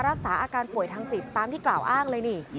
รักษาอาการป่วยทางจิตตามที่กล่าวอ้างเลยนี่